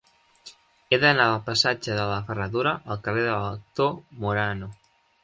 He d'anar del passatge de la Ferradura al carrer de l'Actor Morano.